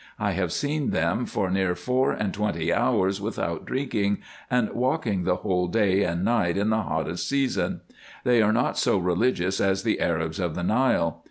I have seen them for near four and twenty hours without drinking, and walking the whole day and night in the hottest season. They are not so religious as the Arabs of the Nile.